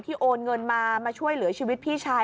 โอนเงินมามาช่วยเหลือชีวิตพี่ชาย